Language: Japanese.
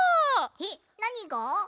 えっなにが？